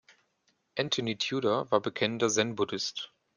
Antony Tudor war bekennender Zen-Buddhist.